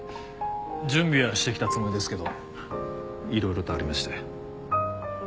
準備はしてきたつもりですけどいろいろとありまして。